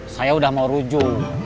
saya udah mau rujuk